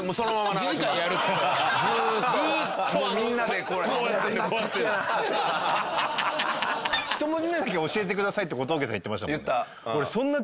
１文字目だけ教えてくださいって小峠さん言ってましたもんね。